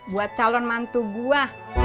buat calon mantu gua